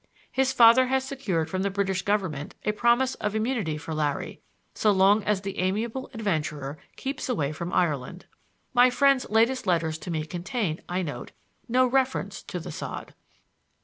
His father has secured from the British government a promise of immunity for Larry, so long as that amiable adventurer keeps away from Ireland. My friend's latest letters to me contain, I note, no reference to The Sod.